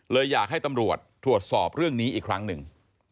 อยากให้ตำรวจตรวจสอบเรื่องนี้อีกครั้งหนึ่ง